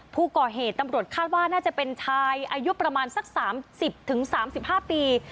ผู้ก่อเหตุตำรวจคาดว่าน่าจะเป็นชายอายุประมาณสักสามสิบถึงสามสิบห้าปี